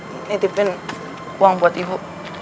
ditipin uang buat ibu